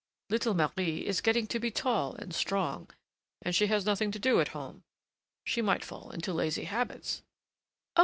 Little Marie is getting to be tall and strong, and she has nothing to do at home. She might fall into lazy habits " "Oh!